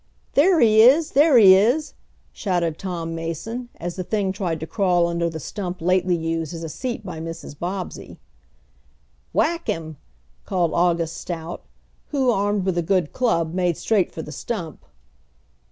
"There he is! There he is!" shouted Tom Mason, as the thing tried to crawl under the stump lately used as a seat by Mrs. Bobbsey. "Whack him!" called August Stout, who, armed with a good club, made straight for the stump.